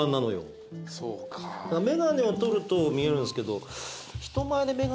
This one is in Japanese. だから眼鏡を取ると見えるんすけど。